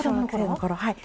はい。